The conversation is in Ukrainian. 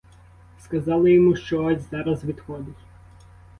Сказали йому, що ось зараз відходить.